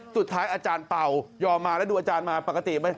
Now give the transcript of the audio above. สุดท้ายอาจารย์เบายอมมาแล้วดูอาจารย์มาปกติ